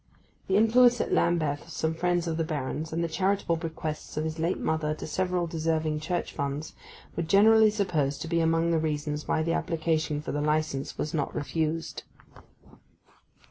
The influence at Lambeth of some friends of the Baron's, and the charitable bequests of his late mother to several deserving Church funds, were generally supposed to be among the reasons why the application for the licence was not refused.